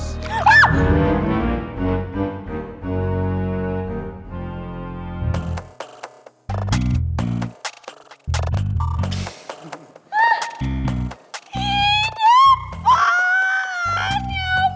hidupan ya ampun